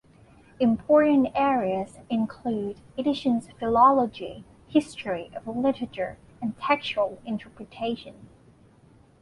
Important areas include edition philology, history of literature, and textual interpretation.